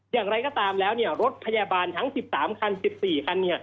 อย่างไรก็ตามแล้วรถพยาบาลทั้ง๑๓คัน๑๔คัน